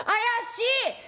怪しい！